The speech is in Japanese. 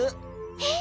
えっ？